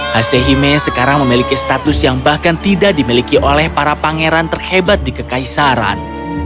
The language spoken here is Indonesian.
hasehime sekarang memiliki status yang bahkan tidak dimiliki oleh para pangeran terhebat di kekaisaran